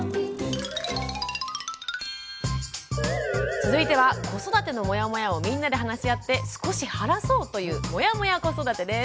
続いては子育てのモヤモヤをみんなで話し合って少し晴らそうという「モヤモヤ子育て」です。